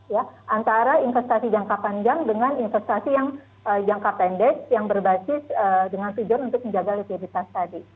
ya antara investasi jangka panjang dengan investasi yang jangka pendek yang berbasis dengan tujuan untuk menjaga likuiditas tadi